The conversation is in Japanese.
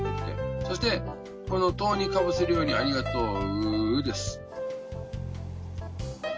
そしてこの「と」にかぶせるように「ありがとう」です。